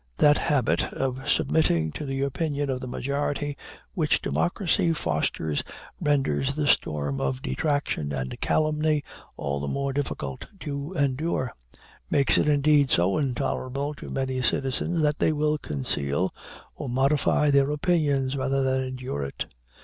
That habit of submitting to the opinion of the majority which democracy fosters renders the storm of detraction and calumny all the more difficult to endure makes it, indeed, so intolerable to many citizens, that they will conceal or modify their opinions rather than endure it.